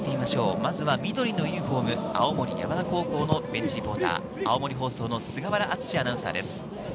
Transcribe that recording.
まずは緑のユニホーム、青森山田高校のベンチリポートは青森放送の菅原厚アナウンサーです。